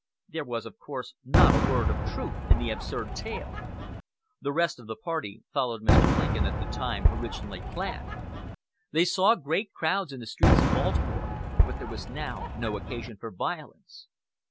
There was, of course, not a word of truth in the absurd tale. The rest of the party followed Mr. Lincoln at the time originally planned. They saw great crowds in the streets of Baltimore, but there was now no occasion for violence.